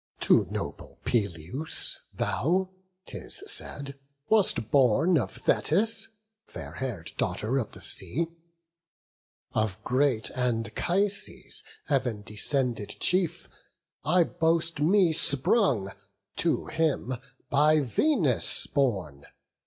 To noble Peleus thou, 'tis said, wast born Of Thetis, fair hair'd daughter of the sea; Of great Anchises, Heav'n descended chief, I boast me sprung, to him by Venus borne.